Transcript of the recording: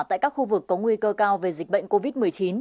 tại các khu vực có nguy cơ cao về dịch bệnh covid một mươi chín